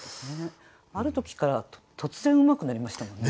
ある時から突然うまくなりましたもんね。